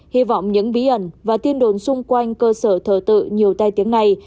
hy vọng những bí ẩn và tin đồn xung quanh cơ sở thờ tự nhiều tai tiếng này